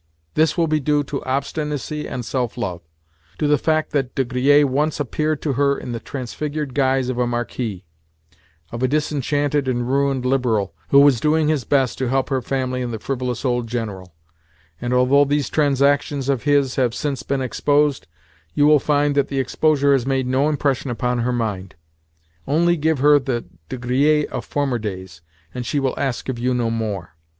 This will be due to obstinacy and self love—to the fact that De Griers once appeared to her in the transfigured guise of a marquis, of a disenchanted and ruined liberal who was doing his best to help her family and the frivolous old General; and, although these transactions of his have since been exposed, you will find that the exposure has made no impression upon her mind. Only give her the De Griers of former days, and she will ask of you no more.